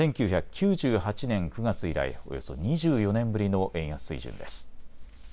１９９８年９月以来、およそ２４年ぶりの円安水準です。